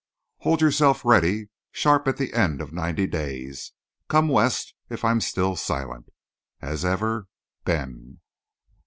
Hold yourself ready; sharp at the end of ninety days, come West if I'm still silent. As ever, BEN.